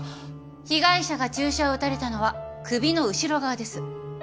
被害者が注射を打たれたのは首の後ろ側です。